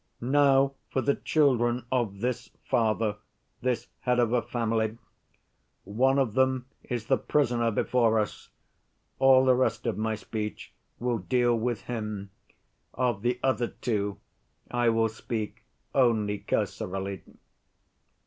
"Now for the children of this father, this head of a family. One of them is the prisoner before us, all the rest of my speech will deal with him. Of the other two I will speak only cursorily.